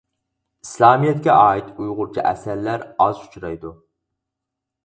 ئىسلامىيەتكە ئائىت ئۇيغۇرچە ئەسەرلەر ئاز ئۇچرايدۇ.